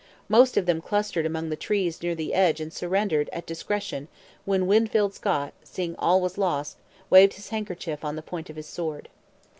Most of them clustered among the trees near the edge and surrendered at discretion when Winfield Scott, seeing all was lost, waved his handkerchief on the point of his sword.